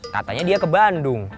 katanya dia ke bandung